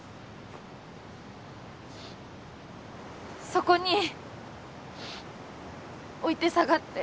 そこに置いて下がって。